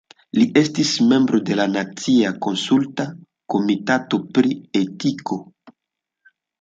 Li estis membro de la Nacia Konsulta Komitato pri Etiko.